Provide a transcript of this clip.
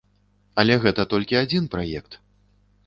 Але гэта толькі адзін праект.